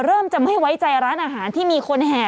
เริ่มจะไม่ไว้ใจร้านอาหารที่มีคนแห่